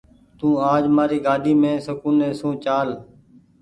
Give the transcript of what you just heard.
تو آج مآري گآڏي مين سڪونيٚ سون چآل۔